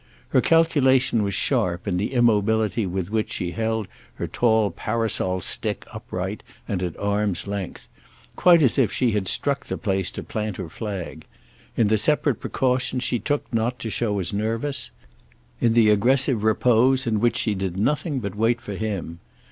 Her calculation was sharp in the immobility with which she held her tall parasol stick upright and at arm's length, quite as if she had struck the place to plant her flag; in the separate precautions she took not to show as nervous; in the aggressive repose in which she did quite nothing but wait for him.